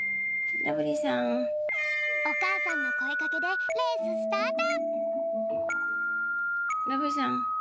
おかあさんのこえかけでレーススタート！